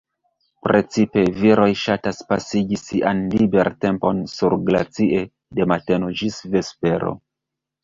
Precipe viroj ŝatas pasigi sian libertempon surglacie, de mateno ĝis vespero.